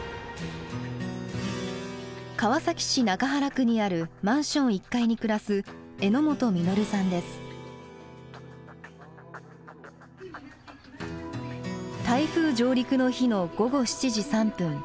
川崎市中原区にあるマンション１階に暮らす台風上陸の日の午後７時３分。